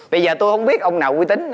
bây giờ tôi không biết ông nào quy tính